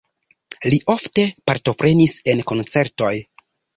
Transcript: Li ofte partoprenis en koncertoj.